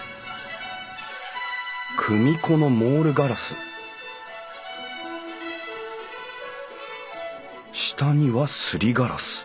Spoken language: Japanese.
組子のモールガラス下にはすりガラス。